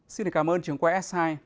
xin cảm ơn trường quay s hai